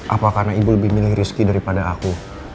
apa karena ibu lebih milih rizky daripada aku